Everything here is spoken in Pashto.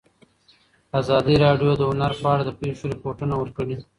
ازادي راډیو د هنر په اړه د پېښو رپوټونه ورکړي.